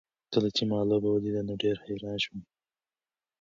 کله چې ما لوبه ولیده نو ډېر حیران شوم.